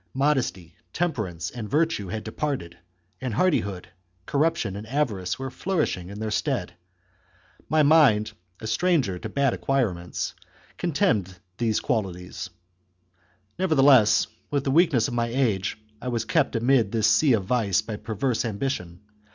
Modesty, temperance, and virtue had departed, and hardihood, corruption, and avarice were flourishing in their stead. My mind, a stranger to bad acquirements, contemned these qualities ; nevertheless, with the weakness of my age, I was kept amid this sea of vice by perverse ambition.